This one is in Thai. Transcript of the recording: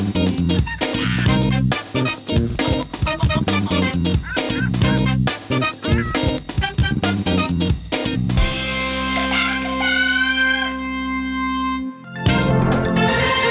โปรดติดตามตอนต่อไป